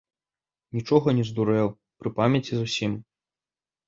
Нічога не здурэў, пры памяці зусім.